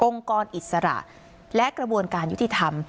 กรอิสระและกระบวนการยุติธรรม